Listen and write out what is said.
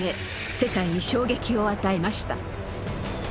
世界に衝撃を与えました。